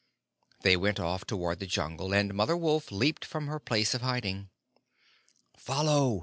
They went off toward the Jungle, and Mother Wolf leaped from her place of hiding. "Follow!"